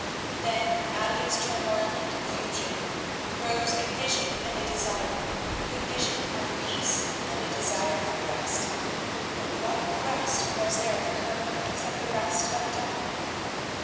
Then out of its turmoil and confusion rose a vision and a desire; a vision of peace and a desire for rest. But what rest was there for her except the rest of death?